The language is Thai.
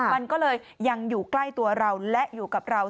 มันก็เลยยังอยู่ใกล้ตัวเราและอยู่กับเรา